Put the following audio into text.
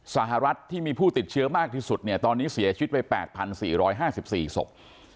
สหรัฐที่มีผู้ติดเชื้อมากที่สุดเนี่ยตอนนี้เสียชีวิตไป๘๔๕๔ศพ